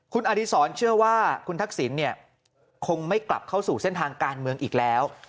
คุณอดีศรเชื่อว่าคุณทักษิณคงไม่กลับเข้าสู่เส้นทางการเมืองอีกแล้ว